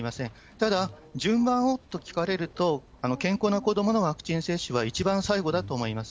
ただ、順番をと聞かれると、健康な子どものワクチン接種は一番最後だと思います。